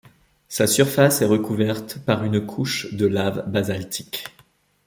Sa surface est recouverte par une couche de lave basaltique.